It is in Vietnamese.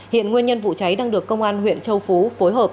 hiện nguyên nhân vụ cháy đang được công an huyện châu phú phối hợp